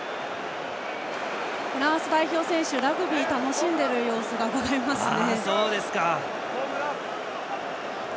フランス代表選手ラグビーを楽しんでいる様子がうかがえますね。